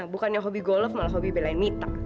bukannya hobi golf malah hobi belain mitak